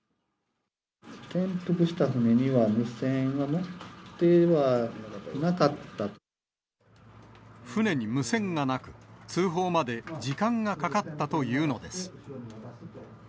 転覆した船には、船に無線がなく、通報まで時間がかかったというのです。